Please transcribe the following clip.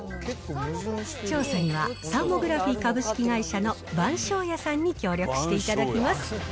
調査には、サーモグラフィ株式会社の番匠谷さんに協力していただきます。